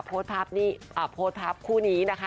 โพสต์ภาพคู่นี้นะคะ